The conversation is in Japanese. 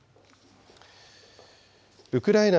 ウクライナ